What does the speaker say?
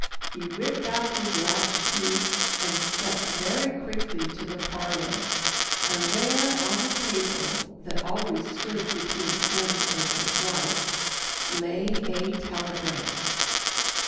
He whipped out his latch key, and stepped very quickly to the parlour, and there on the table that always stood between him and his wife, lay a telegram.